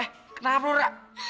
eh kenapa lo ra